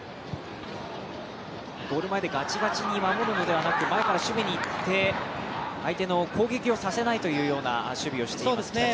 ゴール前でがちがちに守るのではなく、攻撃にいって、相手の攻撃をさせないというような守備をしています、北朝鮮。